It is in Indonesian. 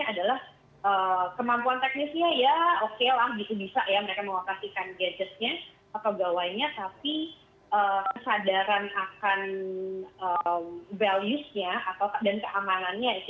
jadi kesadaran akan values nya dan keamanannya itu yang mungkin masih bisa ditingkatkan